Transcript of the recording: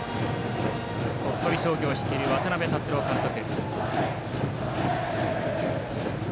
鳥取商業を率いるのは渡辺達郎監督。